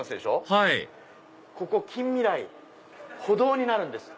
はいここ近未来歩道になるんです。